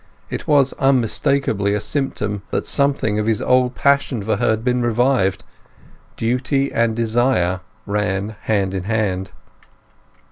It was unmistakably a symptom that something of his old passion for her had been revived; duty and desire ran hand in hand.